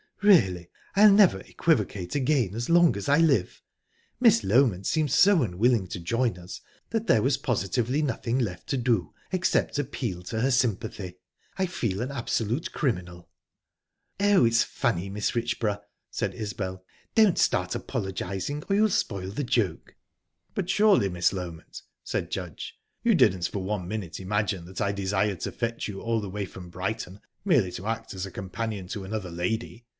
"Really, I'll never equivocate again as long as I live! Miss Loment seemed so unwilling to join us that there was positively nothing left to do except appeal to her sympathy...I feel an absolute criminal." "Oh, it's funny, Mrs. Richborough!" said Isbel. "Don't start apologising or you'll spoil the joke." "But surely, Miss Loment," said Judge, "you didn't for one minute imagine that I desired to fetch you all the way from Brighton merely to act as a companion to another lady?